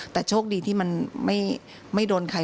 แต่โชคดีที่มันไม่โดนใคร